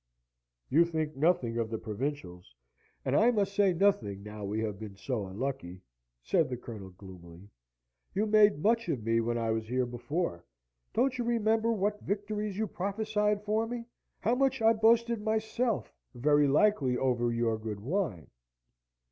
"You think nothing of the provincials: and I must say nothing now we have been so unlucky," said the Colonel, gloomily. "You made much of me when I was here before. Don't you remember what victories you prophesied for me how much I boasted myself very likely over your good wine?